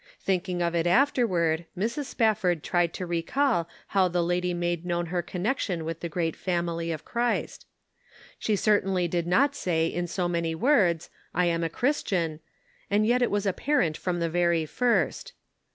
Thinking of it afterward, Mrs. Spafford tried to recall how the lady made known her connection with the great family of Christ. She certainly did not say in so many words, " I am a Christian," and yet it was apparent from the very first.